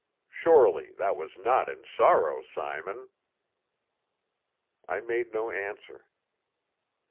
Surely that was not in sorrow, Simon?" I made no answer.